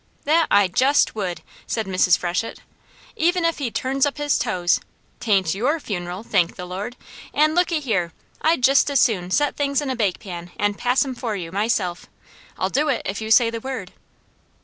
"That I jest would!" said Mrs. Freshett. "Even if he turns up his toes, 'tain't YOUR funeral, thank the Lord! an' looky here, I'd jest as soon set things in a bake pan an' pass 'em for you, myself. I'll do it, if you say the word."